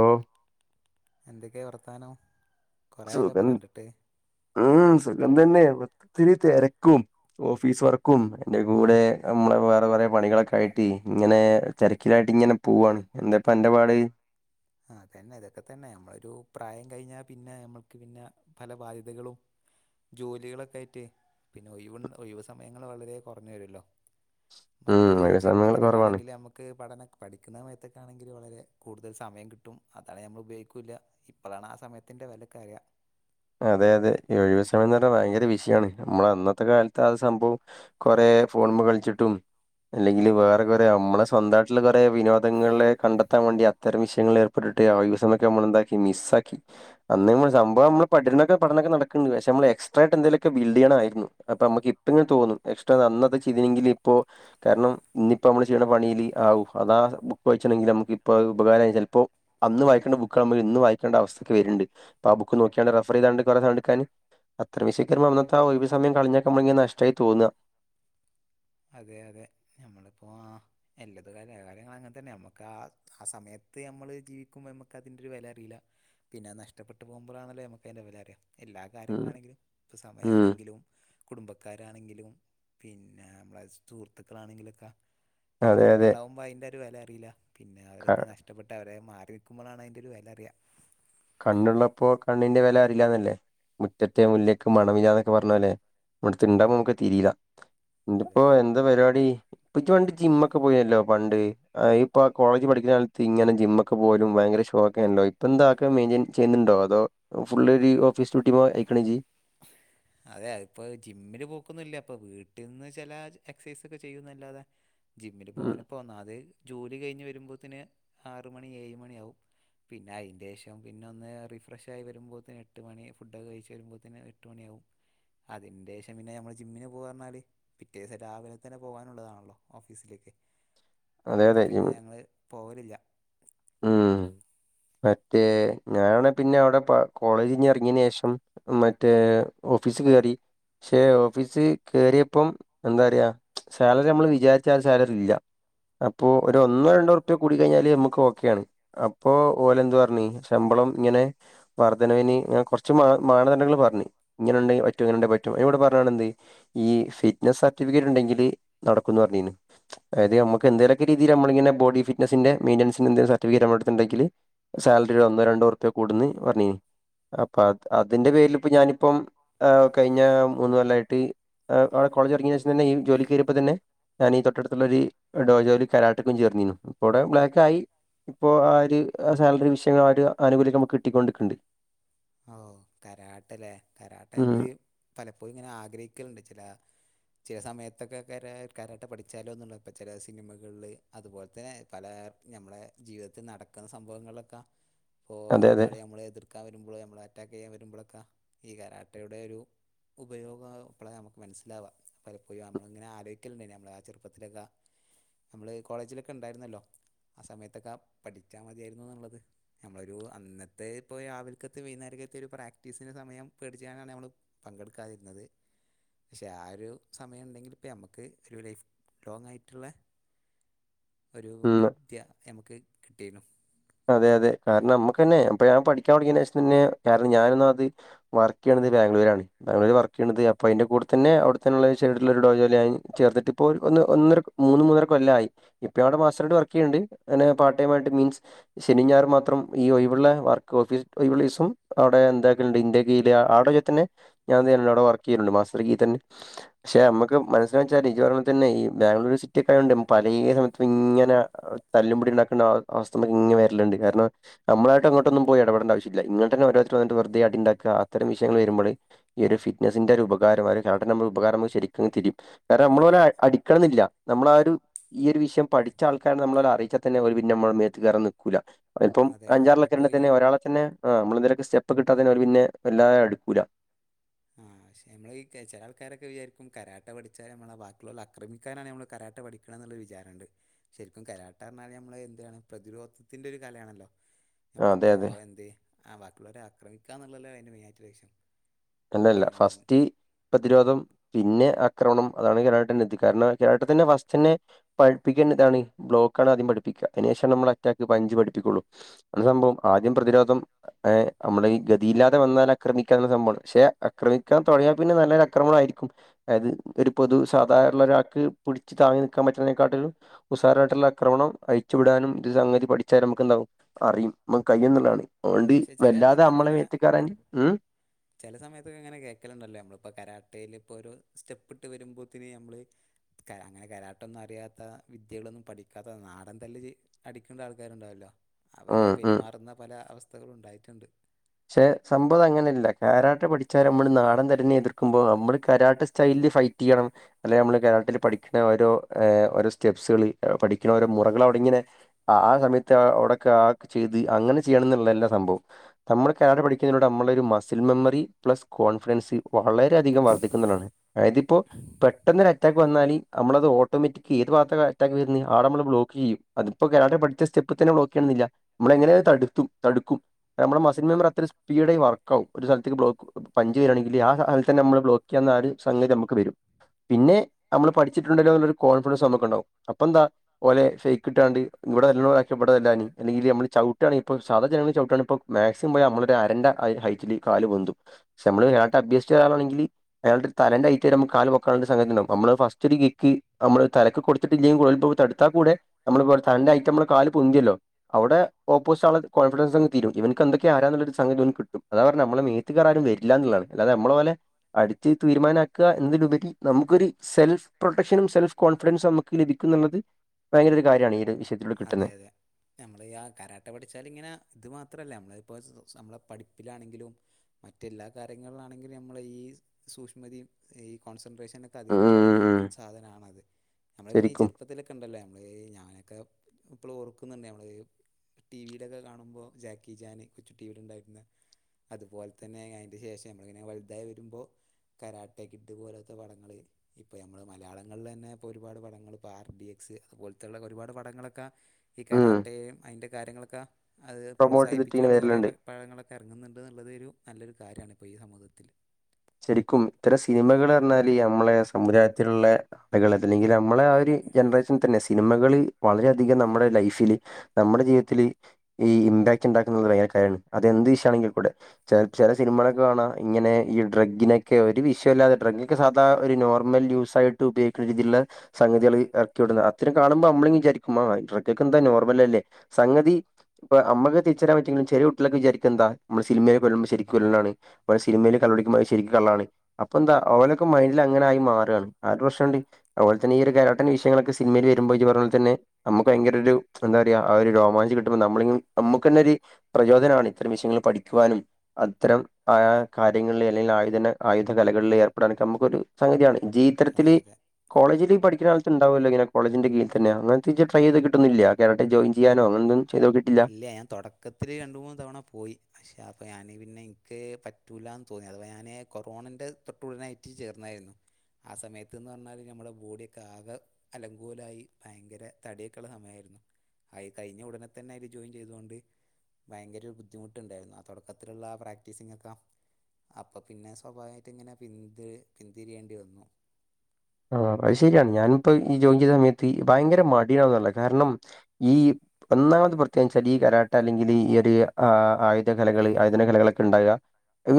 ഓഹ് എന്തൊക്കെ വർത്താനം കൊറേയായല്ലോ ഇപ്പൊ സുഖം കണ്ടിട്ട് ഉം സുഖം തന്നെ ഒത്തിരി തിരക്കും ഓഫീസ് വർക്കും എന്റെ കൂടെ നമ്മളെ വേറെ വേറെ പണികളൊക്കെ ആയിട്ട് ഇങ്ങനെ തെരക്കിലായിട്ട് ഇങ്ങനെ പോവാണ് എന്താപ്പ അന്റെറെ പാട് ആഹ് തന്നെ ഇതൊക്കെ തന്നെ നമ്മളൊരു പ്രായം കഴിഞ്ഞാ പിന്നെ നമ്മൾക്ക് പിന്നെ പല ബാധ്യതകളും ജോലികളൊക്കെ ആയിട്ട് പിന്നെ ഒഴിവ് സമയങ്ങൾ വളരെ കുറഞ്ഞു വരോല്ലോ ഉം മറ്റേത് ഒഴിവ് സമയങ്ങൾ ചെറുപ്പത്തിലൊക്ക കുറവാണ് ആണെങ്കിൽ നമുക്ക് പഠന പഠിക്കുന്ന സയത്തൊക്കെ ആണെങ്കിൽ വളരെ കൂടുതൽ സമയം കിട്ടും അതാണ് നമ്മൾ ഉപയോഗിക്കുല്ല ഇപ്പലാണ് ആ സമയത്തിൻ്റെ വെലക്കറിയ അതെ അതെഈ ഒഴിവ് സമയംന്ന് പറഞ്ഞാ ഭയങ്കര വിഷയാണ് നമ്മള അന്നത്തെ കാലത്ത് ആ സംഭവം കൊറെ ഫോണ് മേ കളിച്ചിട്ടും അല്ലെങ്കിൽ വേറെ കുറെ നമ്മളെ സ്വന്ത കുറെേ വിനോദങ്ങളെ കണ്ടെത്താൻ വേണ്ടി അത്തരം വിശേ ൾ ഏർപ്പെട്ടിട്ട് ആഹ് ദിവസങ്ങൾഒക്കെ നമ്മളെന്ദാക്കി മിസ്സാക്കിഅന്ന് സംഭവം നമ്മ പഠിനനൊക്കെ പനൊക്ക നടക്കുന്നു പക്ഷേ നമ്മ എക്സ്ട്രയിട്ട എന്തെകിലും ഒക്കെ ബിൽഡ് യാണമായിരുന്നു അപ്പോമ്മക് കിട്ടുമതോന്നും എക്ഷ്ട അന്നൊക്കെ ചെയ്തിന്നെങ്കിൽ ഇപ്പോ കാരണം ഇന്നിപ്പോ നമ്മള് ചെയ്യുന്ന പണീൽ ഹാവു അതാ ബുക്ക് വായിച്ചാണെകിൽ നമുക്ക് ഇപ്പ ഉപകാരായി ചിലപ്പോ അന്ന് വായിക്കേണ്ട ബുക്ക് നമ്മൾ ഇന്ന് വായിക്കണ്ട അവസ്ഥക്ക് വരുന്നുണ്ട് അപ്പൊ ആഹ് ബുക്ക് നോക്കി റഫതാണ്ട് അത്ര മിസ്പോ അന്നത്തെ ആ ഒരു സമയം കളഞ്ഞക്കുമ്പോെയൊക്കെ നഷ്ടമായി തോന്ന അതെ അതെ നഞമ്മളിപ്പോ ആഹ് എല്ലാതു കാര്യങ്ങളും അങ്ങനെ തന്നെ നമ്മുക്ക് ആഹ് ആ സമയത്ത് നമ്മള് ജീവിക്കുമ്പോ നമ്മക്ക് അതിന്റെ ഒരു വില അറിയില്ല പിന്നെ നഷട്ടപ്പെട്ട് പോവുബോഴാണല്ലേ നമുക്കത്തിന്റെതിൻറെ വില അറിയ എല്ലാ ഉം. കാര്യങ്ങളാണെങ്കിലും ഇപ്പോ ഉം. സമയാണെങ്കിലും കുടുംബക്കാരാണെങ്കിലും പിന്നെ മ്ളെ സുഹൃത്തുക്കളാണെകിലൊക്കെ. അതെ അതെ നമ്മളൊപ്പണ്ടാവുമ്പോ അയിന്റെ ഒരു വിലറീല്ല പിന്നെ ക- അവരൊക്കെ നഷ് ട്ടപ്പെട്ട അവരെ മാറി നിക്ക്മ്പളാണ് അയ്ന്റെരു വെലറിയാ. കണ്ണ്ള്ളപ്പോ കണ്ണിന്റെ വെലറില്ലന്നല്ലേ മുറ്റത്തെ മുല്ലക്ക് മണമില്ലാനൊക്കെ പറഞ്ഞോലെ. ണ്ടാവും ഉം, മക്ക് തീരില്ല അതെ എന്തപ്പോ അതെ എന്താ പര്പാടി? പ്പച്ചി പണ്ട് ജിമ്മ ഒക്കെ പോയിരല്ലോ പണ്ട് അയിപ്പോ അ കോളേജി പഠ്ക്ക്ണ കാലത്ത് ഇങ്ങനെ ജിംമ്മൊക്കെ പോവലും വയങ്കര ഷോക്കെണല്ലോ പ്പൊന്താ? ഒക്കെ മെയിൻ ചെയ്യുന്നുണ്ടോ അതോ ഫുൾ ഒരു ഓഫീസ് ഡ്യൂട്ടി അയക്കണേ ജി അതെ ഇപ്പെ ജിമ്മില് പോക്കുന്നില്ല പ്പൊ വീട്ടിന്ന് ചെല എക്സസൈസൊക്കെ ചെയ്യുന്നല്ലാതെ. ജിമ്മില് ഉം പോവാന്പ്പോ ഒന്നാത് ജോലി കഴിഞ്ഞ് വരുമ്പോത്തിന് ആറ്മണി ഏഴ് മണിയാവും. പിന്ന അയിൻന്റെഷം പിന്നൊന്ന് റിഫ്രഷായി വരുമ്പോതിന് എട്ട് മണി ഫുഡൊക്കെ കഴിച്ച് വരുമ്പോത്തിന് എട്ട് മണിയാവും. അതിന്റെഷം പിന്നെ ഞങ്ങള് ജിമ്മിന് പോവാ പറഞ്ഞാല്. പിറ്റേസം രാവിലതന്നെ പോവാനുള്ളതാണല്ലോ ഓഫീസിലേക്ക്. അതെ അപ്പൊ അതെ പിന്നെ ഞങ്ങള് പോവലില്ല. ഇമ് മറ്റേ ഞാനാണ് പിന്നെ അവടെ കോളേജിന്ന്റങ്ങിനേഷം. മറ്റേ ഓഫീസി കേറി ഷെ ഓഫീസി കേറിയപ്പം. ന്താർയാ സാലറി മ്മള് വിചാരിച്ചാസാലറില്ല. അപ്പൊ ഒരു ഒന്നോ രണ്ടോർപ്യ കൂടി കഴിഞ്ഞാല് നമുക്ക് ഒ. ക്ക്യാണ് അപ്പോ ഓലെ എന്ത്റഞ്ഞ് ശമ്പളം ഇങ്ങനെ. വർദ്ധനവിന് ന കൊർച്ച് മാന മാനദണ്ഡങ്ങൾ പർഞ്ഞ് ഇങ്ങന് ണ്ടെ പറ്റു ഇങ്ങനെണ്ടെ പറ്റുന്നാണ്ട് പറഞ്ഞാെന്റന്തേയ്. ഈ ഫിറ്റ്നസ്സ് സർട്ടിഫിക്കറ്റ് ഇണ്ടെങ്കില് നടക്കുന്ന് പറഞ്ഞിൻ. അതായത് അമ്മക്കെന്തലൊക്കരിതില് നമ്മളിങ്ങനെ ബോഡി ഫിറ്റ്നസിന്റെ മെയിന്റൻസ്. ൻന്തെ സർട്ടിഫിക്കറ്റ് നമ്മളട്ത് ത്ണ്ടെങ്കില് സാലറി ഒന്നോ രണ്ടോറ്പ കൂടൂന്ന് പറഞ്ഞിന്. അപ്പൊ അത് അതിന്റെ പേരിലിപ്പം ഞാനിപ്പം കഴിഞ്ഞ മൂന്നൊല്ലായിട്ട്. ആഹ് ആഹ് കോളേജ്ന്നറങ്ങിയേശന്തന്നെ ജോലികേറിയയപ്പോ തന്നെ. ഞാന് തൊട്ടട്ത്ത്ള്ളോര് ഇടോര് കരാട്ടക്കും ചേർന്നിന്നു ഇപ്പോവ്ടെ ബ്ലാക്കായി. ഇപ്പോ ആ ഒരു സാലറി വിഷയങ്ങൾ ആഹ് ഒരു ആനുകൂല്യം നമു കിട്ടിക്കൊണ്ടിക്ക്ണ്ട് ഓ കരാട്ട്ല്ലേ കരാട്ട ഉം മ്മള് പലപ്പോഴും ഇങ്ങനെ ആഗ്രഹിക്കല്ണ്ട് ചെല. ചില സമയത്തൊക്കെ കരാ കരാട്ട പഠിച്ചാലോന്ന്ള്ളെപ്പചെല സിനിമകളില്. അത് പോലെത്തെ പലെ ഞമ്മളെ ജീവിതത്തിൽ നടക്ക്ന്ന സംഭവങ്ങൾലൊക്കെ. പ്പോ അതെ അതെ ഒരാള് ഞമളെ എതിർക്കാൻ വരുമ്പോ ഞമ്മളെ അറ്റാക്കെയ്യാൻ വരുമ്പോളെക്കെ ഈ കരാട്ടയുടൊരു. ഉപയോഗം അപ്പളാ നമുക്ക് മനസ്സിലാവാം പലപ്പോഴും നമ്മളിങ്ങനെ ആലോചിക്കലുണ്ടെ നമ്മൾ ആഹ് ചെറുപ്പത്തിലൊക്ക നമ്മള് കോളേജിലൊക്കെ ഇണ്ടായിര്ന്നല്ലോ ആ സമയത്തൊക്കെ പഠിച്ചാ മതിയായ്രുന്നുന്നുള്ളത്. നമ്മളൊരു അന്നത്തെ ഇപ്പൊ രാവിലക്ക്. വൈകുന്നേരകത്തെ ഒരു പ്രാക്ടീസിന് സമയം പേടിച്ചാണ് നമ്മള് പങ്കെടുക്കാതിരുന്നത് പഷേ ഒരു സമയ്ണ്ടെങ്കിപ്പഞമ്മക് ക്ക് ഒരു ലൈഫ് ലോങ് ആയിട്ള്ളെ ഒരു ഉം വിദ്യ ഞമക്ക് കിട്ടിനു അതെ അതെ കാരണ ഞമ്മക്കെന്നെ പ്പൊ ഞാ പഠിക്കാനൊട്ങ്ങിനേഷന്നെ കാരണം ഞാനൊന്ന അത്. വർക്കെയ്യണത് ബാംഗ്ലൂരണ്. അത് [unintelligible] വർക്ക് ചെയ്യണത് അപ്പൊ അതിന്റെ കൂടെത്തന്നെവിടെത്തന്നുള്ള [unintelligible] ഞാൻ ചേർന്നട്ട് ഇപ്പോൾ ഒന്ന് ഒന്നര മൂന്ന മൂന്നരക്ക കൊല്ലായി ഇപ്പൊവ്ടെ മാസ്റ്ററയിട്ട് വർക്കെ യ്യ്ന്നുണ്ട് ന്ന പാർട്ടൈമായ്ട്ട് മീൻസ്. ശനി ഞാർ മാത്രം ഈ ഒഴിവ്ള്ളെ വർക്ക് ഓഫീ ഒഴിവ്ള്ളവ്സം അവിടെ എന്താക്കല്ണ്ട് ന്റെ. [unintelligible] തന്നെ ഞാൻഅവിടെ വർക്ക് ചെയ്യണ്ട് മാസ്റ്റർ ഗീ തന്നെ ഷെ അമ്മക്ക് മനസ്സിയാച്ചാല് ഇയ്യ് പറയണ പോലെ തന്നെ ഈ ബാംഗ്ലൂരു സിറ്റിയെക്കെഴൊണ്ട് പലേ സമയത്ത് ഇങ്ങനെ. തല്ലും പിടിണ്ടാക്ക്ണ അവസ്ഥ ങ്ങന വരല്ണ്ട് കാര്ണൊ. നമ്മളായിട്ടങ്ങോട്ടൊന്നും പോയടപടണ്ട ആവശ്യല്ല ഇങ്ങട്ടെന്നെ ഓരോരുത്തർ വന്നട്ട് വെറ്തെ അടിണ്ടാക്ക അത്തരം വിഷയങ്ങള് വരുമ്പള്.. ഈ ഒരു ഫിറ്റ്നസ്സിന്റെ ഒരു ഉപകാരം [unintelligible] നമ്മൾ ഉപകാരം ശരിക്കും തിരിയും കാരണം നമ്മള് അതെ അടി കണില്ല നമ്മള ആ ഒരു ഈ ഒരു വിഷയം പഠിച്ച ആൾക്കാരെ നമ്മളര അറിയിച്ചാൽ തന്നെ ഒരു പിന്നെ നമ്മളെ മെത്ത്ക്ക് കേറാൻ നി കൂല ത്തും അതെ അതെ അഞ്ചാറിലക്കെ നമ്മളിപ്പോൾ ഈ തന്നെ ഒരാള പിന്നെ ആഹ് അമ്മള്എന്തൊല്ക്കെ സ്റ്റെപ്പെകിട്ടാത്തന്നെ അവര്പിന്നെ വല്ലാഅട്ക്കുല ആഹ് ഷെ എമ്മളെഈ കേച്ച ചെലആൾക്കാരൊക്കെവിചാരിക്കും കരാട്ടപഠിച്ചാലാമ്മളാബാക്ക്ള്ളൊളാ അക്രമിക്കാനാണ് നമ്മള്കരാട്ടപഠിക്ക ക്ക്ണനല്ലോര് വിചാരണ്ട് ശരിക്കുംകരാട്ടാർഞ്ഞാലാമ്മള് എന്തിനാണ് പ്രതിരോധത്തിന്റെരുകലയാണല്ലോ ആ, അതെ അതെ നമ്മളിപ്പോഎന്തെ ആഹ് ബാക്കിള്ളൊരെആക്രമിക്കാന്നുള്ളല്ലോ അതിന്റെമെയിനായിറ്റിള്ള ലക്ഷ്യം അല്ലല്ല പിന്നെ ഫസ്റ്റ് പ്രതിരോധം പിന്നെ ആക്രമണം അതാണ് കരാട്ടന്റെ ഇത് കാരണം കരാട്ടത്തിന്റെ ഫാസ്റ്റ്ന്നെ പഠ്പ്പിക്കേണ്ടഇതാണ് ബ്ലോക്കാണാദ്യംപഠിപ്പിക്ക അതിനുശേഷംമ്മള് അറ്റാക്ക്, പഞ്ജ്പഠിപ്പിക്കൊള്ളൂ അത് സംഭവം ആദ്യംപ്രതിരോധം എഹ് അമ്മളെ ഈ ഗതിയില്ലാതെവന്നാലാആക്രമിക്കാന്ള്ള സംഭവാണ് ക്ഷെ അക്രമിക്കാൻതുടങ്ങിയാൽ പിന്നെനല്ലൊരുഅക്രമണംയിരിക്കും അയത് ഒരുപൊതുസാധാള്ളരാക്ക് പുടിച്ച്താങ്ങി നിക്കാൻ പറ്റുന്നതെക്കാട്ടിലും ഉസാറായ്ട്ടുള്ള ആക്രമണം അയച്ചുവിടാനും ഇത്സംഗതി പഠിച്ചാലുംമ്മക്കന്താവും അറിയും മ്മകയ്യൊന്നുള്ളണ് അഓണ്ട് പക്ഷെ ചില വല്ലാതെഅമ്മളെമേത്ത്ക്കെറാന് ഉം ചെലെസമയത്തൊക്കെങ്ങനെ കേക്കലുണ്ടല്ലോനമ്മള്പ്പോ കരാട്ടേല് ഇപ്പൊരു സ്റ്റെപ്പ്ഇട്ട് വരുമ്പോത്തിന് നമ്മള് കര അങ്ങനെകരാട്ടൊന്നും അറിയാത്തവിദ്യകളൊന്നും പഠിക്കാത്ത നാടൻതല്ലില് അടിക്ക്ണ്ടആൾക്കാരുണ്ടാവല്ലോ ഉം ഉം അവരെപെരുമാറുന്ന പലഅവസ്ഥകളുംഉണ്ടായിട്ടുണ്ട് ക്ഷെ സംഭവംഅതങ്ങനെയല്ല കാരാട്ടപഠിച്ചാല്മ്മള് നാടൻതരിനെ എതിർക്കുമ്പോ നമ്മള്കരാട്ടസ് സ്റ്റൈല്ല് ഫൈറ്റ്യ്യണം അല്ലെഅമ്മള് കാരാട്ടന്റെപഠിക്ക്ണഓരോ ഏ ഓരോസ്റ്റെപ്സള് പഠിക്ക്ണഓരോ മുറകളവിടങ്ങനെ ആഹ് സമയത്ത്അവിടക്കെ ആക്ക് ചെയ്ത് അങ്ങനെചെയ്യണംന്ന്ള്ളല്ല സംഭവം തമ്മള് കരാട്ടെ പഠിക്കുന്നതിലൂടെ അമ്മളെരു മസിൽമെമ്മറി പ്ലസ് കോൺഫിഡൻസ് വളരെയധികം വർദ്ധിക്കുന്നാണ് ആയതിപ്പോ പെട്ടെന്നൊരഅറ്റ വന്നാലീ നമ്മളത്ഓട്ടോമെറ്റിക്കീത് ഭാഗത്തഅറ്റാക്ക് വരുന്ന ആളമ്മള് ബ്ലോക്ക്‌ചെയ്യുംഅത്‌ ഇപ്പ കരാട്ട പഠിച്ച സ്റ്റെപ്പ് തന്നെ ബ്ലോക്ക്ക്കെയണംന്നില്ല നമ്മളെങ്ങനെയതടുത്തു തടുക്കും നമ്മളെ മസ് മസിൽ മെമ്മറി അത്ര സ്പീഡെയിവർക്കാവും ഒരുസൽത്തിക്ക്ബ്ലോക്ക് പഞ്ച് വരാണെങ്കില് ആഹ് കാലത്ത്തന്നെ നമ്മള്ബ്ലോക്ക്ചെയ്യാവുന്നആര് സംഗതിനമ്മ്ക്ക് വരും പിന്നെ നമ്മള് പഠിച്ചിട്ടുണ്ടല്ലോന്നൊരു കോൺഫിഡൻസ് നമ്മുക്കുണ്ടാവും അപ്പൊന്താ പോലെ ഫേക് ട്ടാണ്ട് ഇവടെ [unintelligible] അല്ലെങ്കി നമ്മള് ചവിട്ടാണെങ്കി ഇപ്പോ സാധാ ജനങ്ങള് [unintelligible] സ്സിമ്പോഴാനമ്മളൊരു അരണ്ട ഹൈ ഹൈറ്റില് കാല്ംപൊന്തു പക്ഷെമ്മള് [unintelligible] അഭ്യസിച്ചരാളാണെങ്കില് അയാളുടെ തലന്റെ ഐറ്റം നമുക്ക് കാൽ വെക്കനുള്ള സംഗതിണ്ടാവും നമ്മള് [unintelligible] അത്താകൂടെ നമ്മള്പ്പൊതലന്റയിറ്റംമ്മള് കാല് പൊന്തിയല്ലോ അവിടെ ഓപ്പോസ്റ്റ്ആള് കോൺഫിൻസ്ങ്തീരും ഇവൻക്ക്എ ക്കെആരാനുള്ളസംഗതി ഓൻകിട്ടും അതാ പറഞ്ഞെനമ്മളെ മെത്ത്കാറാരുംവര്ല്ലന്നുള്ളാണ് അല്ലാതെഅമ്മള്ഓലെ അടിച്ച്തീരുമാനാക്ക എന്ന്ലുപരി നമുക്കൊര് സെൽഫ്പ്രൊട്ടക്ഷനും സെൽഫ്കോൺഫിഡൻസുംനമുക്ക് ലഭിക്കുംന്നുള്ളത് ഭയങ്കരഒരുകാര്യാണ് ഈഒരുവിഷ അതെഅതെ നമ്മളെയാ കരാട്ടപഠിച്ചാലിങ്ങനെ ഇത് മാത്രമല്ല നമ്മള്പ്പൊനമ്മളെപഠിപ്പിലാണെങ്കിലും മറ്റെല്ലാകാര്യങ്ങൾളാണെങ്കിലുംമ്മളഈ സൂക്ഷ്മതിയും ഈ കോൺസെൻട്രേഷനൊക്കെ ഉം ഒക്കെഅധകരിക്കാള്ളൊരു ഉം സാധനാണത് നമ്മള്പിന്നെ ഈ ശരിക്കും ചെറുപ്പത്തിലൊക്കെണ്ടല്ലോ നമ്മളഈ ഞാനൊക്കെ ഇപ്പോളും ഓർക്കുന്നുണ്ട്നമ്മള് ടിവിലൊക്കെ കാണുമ്പോ ജാക്കിജാന് കൊച്ചുടിവിയിലുണ്ടായിര്ന്ന അതുപോൽതന്നെ അയിന്റെശേഷം നമ്മളിങ്ങനെവൽതായിവരുമ്പോ കരാട്ടക്കിഡ്പോലാത്തെപടങ്ങള് ഇപ്പൊയമ്മള് മലയാളങ്ങളിലന്നെ ഇപ്പൊരുപാട് പടങ്ങള് ഇപ്പോആർ ഡി എക്സ് അതുപോൽത്തെയുള്ളഒരുപാട് പടങ്ങളൊ ക്ക ഈ ഉം ശരിക്കും കരാട്ടേയും അയിൻ്റെ കാര്യങ്ങളൊക്കെ അത് പ്രൊമോട്ട് ചെയ്തിട്ട് ഇങ്ങനെ പ്രോത്സാഹിപ്പിച്ചുകൊണ്ട് കൊറേ വരലുണ്ട് പഴങ്ങളൊക്കെ എറങ്ങുന്നുണ്ടെന്നുള്ളതൊരു നല്ലൊരു കാര്യാണ് ഇപ്പോ ഈ സമൂഹത്തില് ശരിക്കും ഇത്തരം സിനിമകള് പറ്ഞ്ഞാല് നമ്മളെ സമുദായത്തിലുള്ള [unintelligible] നമ്മളാ ആഹ് ഒരു ജനറേഷൻതന്നെ സിനിമകള് വളരെയധികംനമ്മളെ ലൈഫില് നമ്മുടെജീവിതത്തില് ഈ ഇംബാക്റ്റുണ്ടാക്കുന്നത് വേറെ കാര്യാണ് അതെന്ത് വിഷയവാണെങ്കി കൂടെ ചെ ചെല സിനിമകളിലൊക്കെ കാണാ ഇങ്ങനെ ഈ ഡ്രഗിനൊക്കെ ഒരു വിഷയോവില്ലാതെ ഡ്രഗൊക്കെ സാധാ ഒരു നോർമൽ യൂസായിട്ട് ഉപയോഗിക്ക്ണ് രീതിയിലുള്ള സംഗതികൾ ഇറക്കി വിടുന്നത് അത്രം കാണുമ്പോ നമ്മള് വിചാരിക്കും ആ ഡ്രഗൊക്കെന്താ നോർമലല്ലേ സംഗതി ഇപ്പ അമ്മക്ക് തിരിച്ചറിയാൻ പറ്റുവെങ്കിലും ചെറിയ കുട്ടികളൊക്കെ വിചാരിക്കും എന്താ നമ്മള് സിനിമയിൽ ഉള്ളത് ശരിക്ക് ഉള്ളതാണ് സിനിമയിൽ കള്ള് കുടിക്കുമ്പോ അത്ശെ ശെരിക്ക് കള്ളാണ് അപ്പൊ ന്താ അവനൊക്കെ മൈൻഡില് അങ്ങനായി മാറാണ് ആ ഒരു പ്രശ്നണ്ട് അതുപോലെ തന്നെ ഈ ഒരു കരാട്ടൻ്റെ വിഷയങ്ങളോക്കെ സിനിമയിൽ വരുമ്പോ ഇജ്ജ് പറഞ്ഞ പോലെ തന്നെ നമ്മുക്ക് ഭയങ്കര ഒരു എന്താ പറയാ ആഹ് ഒരു രോമാഞ്ചം കിട്ടുമ്പോ നമ്മള് നമുക്കന്നെ ഒരു പ്രചോദനാണ് ഇത്തരം വിഷയങ്ങൾ പഠിക്കുവാനും അത്തരം ആ കാര്യങ്ങളിൽ അല്ലെങ്കിൽ ഇതെന്ന് ആയുധ കലകളിൽ ഏർപ്പെടാനൊക്കെ നമുക്കൊരു സംഗതിയാണ് ജീ അതെ ത്തരത്തില് അതെ കോളേജിൽ പഠിക്ക്ണ കാലത്ത്ണ്ടാവല്ലോ കോളജിന്റെ കീഴിൽ തന്നെ അങ്ങനത്തീജ്ജ് ട്രൈ ചെയ്ത് കിട്ടുന്നില്ലേ കേരട്ടെ ജോയിൻ ചെയ്യാനോ അങ്ങനൊന്നും ചെയ്ത് നോക്കിയിട്ടില്ല ഇല്ല ഞാൻ തൊടക്ക ക്കത്തില് രണ്ട് മൂന്ന് തവണ പോയി പക്ഷേ അപ്പോൾ ഞാൻ പിന്നെ എനിക്ക് പറ്റൂല്ലന്ന് തോന്നി അഥവാ ഞാൻ കൊറോണേൻ്റെ തൊട്ടുടനായിട്ട് ചേർന്നായിരുന്നു ആഹ് സമയത്തെന്ന് പറഞ്ഞാൽ നമ്മുടെ ബോഡിയൊക്കെ ആകെ അലങ്കോലായി ഭയങ്കര തടിയൊക്കെയുള്ള സമയായിരുന്നു അയി കഴിഞ്ഞ ഉടനെ തന്നെയില് ജോയിൻ ചെയ്തോണ്ട് ഭയങ്കര ഒരു ബുദ്ധിമുട്ടുണ്ടായിരുന്നു ആഹ് തുടക്കത്തിലുള്ള പ്രാക്ടീസിങ്ങൊക്കെ അപ്പൊ പിന്നെ സ്വാഭാവികമായിട്ട് ഇങ്ങനെ പിന്തി പിന്തിരിയേണ്ടി വന്നു ആഹ് അത് ശെരിയാണ് ഞാനിപ്പോ ഈ ജോയിൻ ചെയ്ത സമയത്ത് ഭയങ്കര മടിയാവാല്ലോ കാരണം ഈ ഒന്നാമത് പ്രത്യേകച്ചാൽ ഈ കരാട്ട അല്ലെങ്കിൽ ഈ ഒരു ആഹ് കലകള് ആയുധന കലകളൊക്കെ ഉണ്ടാവുക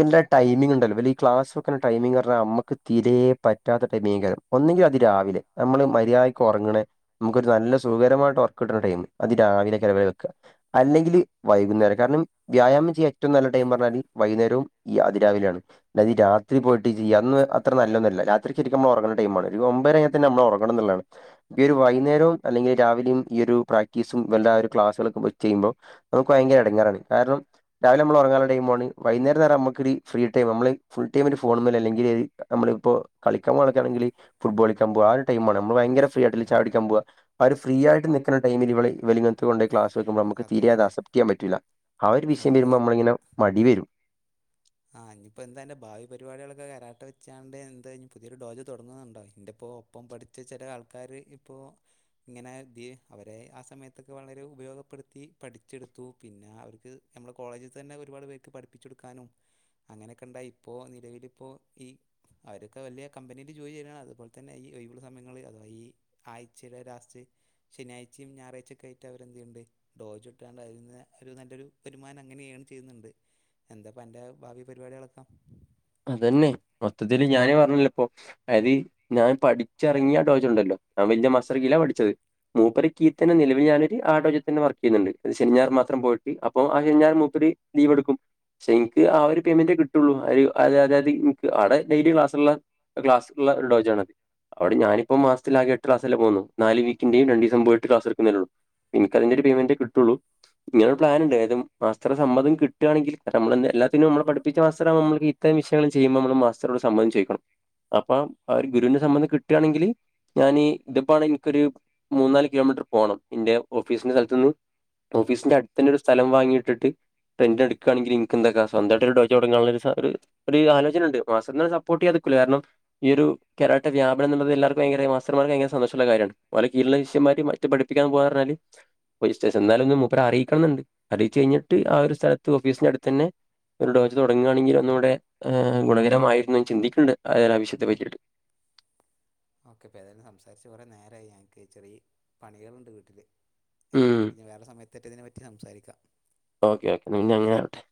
ന്റെ ടൈമിംഗ് ഉണ്ടല്ലോ ഇവല് ഈ ക്ലാസ് വെക്കണ ടൈമിംഗ് എന്ന് പറഞ്ഞ നമ്മക്ക് തീരെ പറ്റാത്ത ടൈമീകരം ഒന്നങ്കി അതി രാവിലെ നമ്മള് മര്യാദയ്ക്ക് ഒറങ്ങണേ നമുക്കൊരു നല്ല സുഖകരമായിട്ട് ഒറക്കം കിട്ടണ ടൈം അതി രാവിലെയൊക്കെയാണ് ഇവര് വെക്കാ അല്ലെങ്കില് വൈകുന്നേരം കാരണം വ്യായാമം ചെയ്യാൻ ഏറ്റവും നല്ല ടൈം പറഞ്ഞാല് വൈകുന്നേരവും ഈ അതിരാവിലെയാണ് അല്ലാതെ ഈ രാത്രി പോയിട്ട് ചെയ്യാ അന്ന് അത്ര നല്ലൊന്നുംല്ല രാത്രി ശരിക്കും നമ്മൾ ഒറങ്ങണ്ട ടൈമാണ് ഒരു ഒമ്പരഴിഞ്ഞ തന്നെ നമ്മള് ഒറങ്ങണംന്നുള്ളതാണ് ഈ ഒരു വൈകുന്നേരവും അല്ലെങ്കിൽ രാവിലും ഈയരു പ്രാക്ടീസും വല്ലാ ഒരു ക്ലാസ്സുകളൊക്കെ ചെയ്യുമ്പോൾ അത് നമുക്ക് ഭയങ്കര എടങ്ങേറാണ് കാരണം രാവിലെ നമ്മള് ഉറങ്ങാനുള്ള ടൈമുവാണ് വൈകുന്നേരം എന്ന് പറഞ്ഞ നമുക്കൊരു ഫ്രീടൈം നമ്മള് ഫുൾ ടൈ ഒരു ഫോണുമല് അല്ലെങ്കില് ഏ നമ്മളിപ്പോ കളിക്കാൻ പോവൊക്കെയാണെങ്കില് ഫുട്ബോളിക്കാൻ പോവാ ആഹ് ഒരു ടൈമാണ് നമ്മള് ഭയങ്കര ഫ്രീ ആയിട്ടല്ലേ ചായ്യുടിക്കാൻ പോവാ ആഹ് ഒരു ഫ്രീ ആയിട്ട് നിക്ക്ണ ടൈമിൽ ഇവള് ഇവല് ഇങ്ങനത്തെ കൊണ്ടോയി ക്ലാസ് വെക്കുമ്പോ മ്മക്ക് അതെ തീരെ അത് അതെ അസെപ്റ്റ് ചെയ്യാൻ പറ്റൂല്ല ആ ഒരു വിഷയം നമ്മൾ വരുമ്പോൾ നമ്മളിങ്ങനെ മടി വരും ആ ഇഞ്ഞിപ്പോ എന്താ അന്റെ ഭാവി പരിപാടിയാളൊക്കെ കരാട്ട വെച്ചാണ്ട് എന്താഞ്ഞി പുതിയൊരു ഡോജ് തുടങ്ങുന്നുണ്ടോന്റെപ്പോ ഒപ്പം പഠിച്ച ചെല ആൾക്കാര് ഇപ്പോ ഇങ്ങനെ ഇത് അവരെ ആ സമയത്തൊക്കെ വളരെ ഉപയോഗപ്പെടുത്തി പഠിച്ചെടുത്തു പിന്നെ അവർക്ക് നമ്മളെ കോളേജിൽ തന്നെ ഒരുപാട് പേർക്ക് പഠിപ്പിചൊടുക്കാനും അങ്ങനൊക്കെ ണ്ടായി ഇപ്പോ നിലവിലിപ്പോ ഈ അവരൊക്കെ വല്ല്യ കമ്പനി ജോയി ചെയ്യാനാണ് അതുപോലെ തന്നെ ഈ ഒഴിവുള്ള സമയങ്ങളില് അഥവാ ഈ ആഴ്ചയിലെ ലാസ്റ്റ് ശനിയാഴ്ചേം ഞായറാഴ്ചെയൊക്കെ ആയിട്ട് അവര് എന്തുണ്ട് ഡോജ ഇട്ട്കാണ്ട് അതിന്ന് ഒരു നല്ലൊരു വരുമാനം അങ്ങനെ ഏൺ ചെയ്യുന്നുണ്ട് എന്താ- അപ്പ അന്റെ ഭാവി പരിപാടികളൊക്ക- അതന്നെ മൊത്തത്തില് ഞാന് പറഞ്ഞില്ലെ പ്പൊ- ആയത് ഞാൻ പഠിച്ചിറങ്ങിയ ഡോജോണ്ടല്ലോ ഞാൻ വല്ല്യ മസാർക്കിലാ പഠിച്ചത്- മൂപ്പരെ കീ തന്നെ നിലവിൽ ഞാനൊരു ആ ഡോജോ തന്നെ വർക്ക് ചെയ്യുന്നുണ്ട് അത് ശെനി ഞായറും മാത്രം പോയിട്ട് അപ്പം ആ ശനിഞ്ഞായറും മൂപ്പര്- ലീവേടുക്കും പക്ഷെ ഇന്ക്ക് ആ ഒരു പേയ്മെൻ്റെ കിട്ടോള്ളൂ അയ് അതെ അതായത്ക്ക് അവിടെ ഡെയിലി ക്ലാസ്സുള്ള ക്ലാസ്ള്ള ഒരു ഡോജ ആണ്- അവിടെ ഞാനിപ്പോ മാസത്തിലാകെ എട്ട് ക്ലാസ്സലേ പോന്നു നാല് വീക്കിന്റെയും രണ്ടീസം പോയിട്ട് ക്ലാസ് എടുകുന്നേള്ളൂ എനിക്ക് അതിന്റെ ഒരു പേയ്മെൻ്റ് കിട്ടുള്ളൂ- ഇങ്ങനെയൊരു പ്ലാനൻണ്ട് അതായത് മാസ്റ്റർ സമ്മതം കിട്ടാണെങ്കിൽ നമ്മള എല്ലാതിന്നും നമ്മള പഠിപ്പിച്ച മാസ്റ്ററാക്കുമ്പോൾ- ഇത്രം വിഷയങ്ങൾ ചെയ്യുമ്പോൾ നമ്മള് മാസ്റ്ററോട് സമ്മതം ചോദിക്കണം അപ്പൊ ഗുരുവിന്റെ സമ്മതം കിട്ടുകയാണെങ്കിൽ- ഞാനി ഇതിപാണ് എനിക്കൊരു മൂനാല് കിലോമീറ്റർ പോകണം എന്റെ ഓഫീസിന്റെ സ്ഥലത്തുന്ന്- ഓഫീസിന്റെ അടുത്തന്ന ഒരു സ്ഥലം വാങ്ങിട്ടിട്ട്- എൻ്റെ എടുക്കുകയാണെകില് എനക്ക് എന്തക്കാ സ്വമായിട്ട ഒരു ഡോജൊ തുടങ്ങാന ഒരു- ഒരു ആലോചന ഉണ്ട് മാഷെന്നെ സപ്പോർട്ട് ചെയ്യാതെ നിൽക്കൂല കാരണം- ഈ ഒരു കരാട്ടെ വ്യപനുള്ളത് എല്ലാവർക്ക ഭയങ്കര മാസ്റ്റർ മാർക്ക് ഭയങ്കര സന്തോഷമുള്ള കാര്യമാണ്- ഓല കീഴുള്ള ശിഷ്യന്മാര് മറ്റ് പഠിപ്പിക്കാൻ പോവാ പറഞ്ഞാല്- രജിസ്ട്രേഷൻ എന്തായാലും ഒന്ന് അറിയിക്കണം എന്നുംഅറിയിച് കയ്യിനിട്ട് ആ ഒരു സ്ഥലത്ത് ഓഫീസിന്റെ അടുത്ത് തന്നെ- ഒരു ഡോച്ച തുടങ്ങുകയാണെകില് ഒന്നൂടെ ഗുണകരമായിരുന്ന് ചിന്തിക്കുന്നുണ്ട് അങ്ങനൊരു ആവശ്യത്തെ പറ്റിയിട്ട്- ഓക്കെ ഏതായാലും സംസാരിച്ച് കൊറെ നേരായി ഞങ്ങൾക്ക് ചെറിയ പണികളുണ്ട് വീട്ടില്- ഏതായാലും ഉം നമുക്ക് വേറെ സമയത്താറ്റം ഇതിനെ പറ്റി സംസാരിക്കാം- ഓക്കെ ഓക്കെ ഇനി അങ്ങനെ ആകട്ടെ-